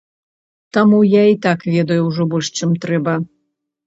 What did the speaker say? Таму я і так ведаю ўжо больш, чым трэба.